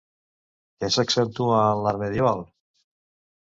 Què s'accentua en l'art medieval?